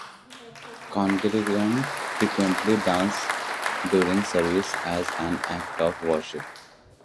Congregants frequently dance during services as an act of worship.